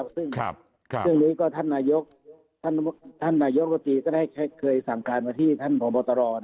ซึ่งชื่อนี้ก็ท่านนายกติก็ได้เคยขึ้นมาที่บทร